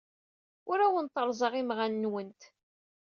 Ur awent-reẓẓaɣ imɣan-nwent.